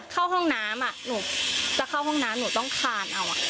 เข้าห้องน้ำหนูจะเข้าห้องน้ำหนูต้องคานเอา